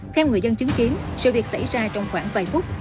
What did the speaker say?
theo người dân chứng kiến sự việc xảy ra trong khoảng vài phút